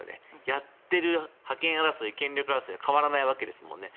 やっている覇権争い、権力争いは変わらないわけですもんね。